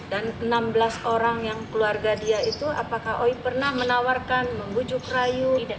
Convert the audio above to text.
dan enam belas orang yang keluarga dia itu apakah oi pernah menawarkan membujuk rayu